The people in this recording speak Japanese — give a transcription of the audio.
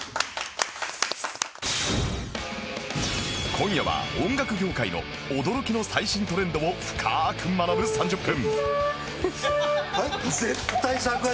今夜は音楽業界の驚きの最新トレンドを深く学ぶ３０分